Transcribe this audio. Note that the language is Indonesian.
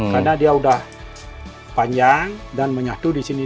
karena dia sudah panjang dan menyatu di sini